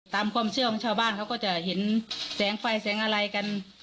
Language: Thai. ตามความเชื่อของชาวบ้านเขาก็จะเห็นแสงไฟแสงอะไรกัน